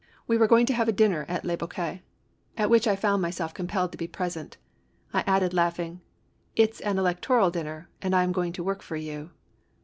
We were going to have a dinner at Le Boquet at which I found myself compelled to be present. I added, laugh ing: " It's an electoral dinner and I am going to work for you!"